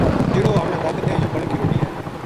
جہڑو ہمنا طاقت دیئے یوہ کنک کی روٹی ہے